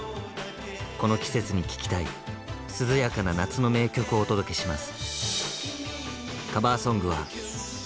この季節に聴きたい涼やかな夏の名曲をお届けします。